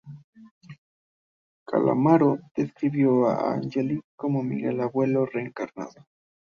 Calamaro describió a Angelini como "Miguel Abuelo reencarnado".